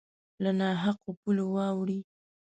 له نا حقو پولو واوړي